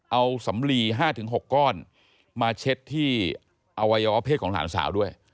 เอาสำลี๕๖ก้อนมาเช็ดที่อวัยวะเพศของหลานสาวด้วย